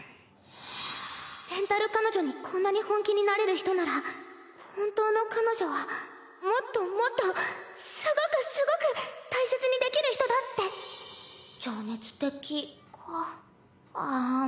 レンタル彼女にこんなに本気になれる人なら本当の彼女はもっともっとすごくすごく大切にできる人だってんっ！